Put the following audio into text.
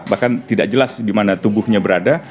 bahkan tidak jelas di mana tubuhnya berada